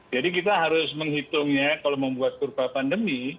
jadi kita harus menghitungnya kalau membuat kurva pandemi